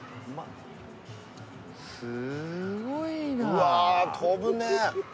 うわ飛ぶね。